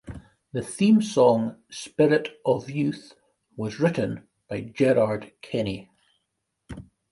The theme song "Spirit of Youth" was written by Gerard Kenny.